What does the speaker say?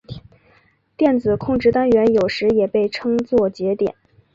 电子控制单元有时也被称作节点。